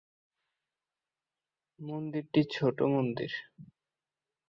মন্দিরটি ছোটো মন্দির।